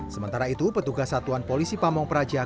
sementara itu petugas satuan polisi pamung praja